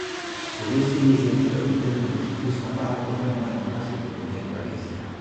Con esta iniciativa pretenden vostedes tapar o problema demográfico que ten Galicia.